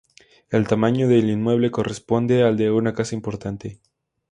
El tamaño del inmueble corresponde al de una casa importante.